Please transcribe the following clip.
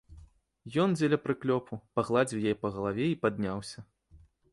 Ён, дзеля прыклёпу, пагладзіў яе па галаве і падняўся.